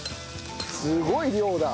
すごい量だ。